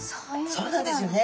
そうなんですよね。